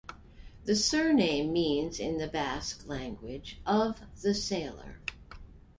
The surname means in the Basque language "...of the sailor".